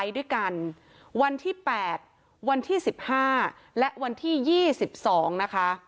ด้วยกันวันที่แปดวันที่สิบห้าและวันที่ยี่สิบสองนะคะ